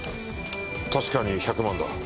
確かに１００万だな。